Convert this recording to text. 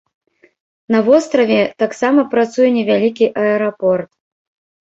На востраве таксама працуе невялікі аэрапорт.